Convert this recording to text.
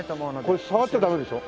これ触っちゃダメでしょ？